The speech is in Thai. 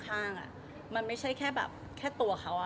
ที่ไม่ใช่แค่ตัวเขา